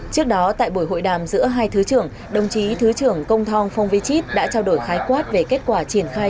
trước đó tại buổi hội đàm giữa hai thứ trưởng đồng chí thứ trưởng công thong phong vy chít đã trao đổi khái quát về kết quả triển khai